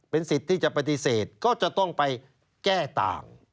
สิทธิ์ที่จะปฏิเสธก็จะต้องไปแก้ต่าง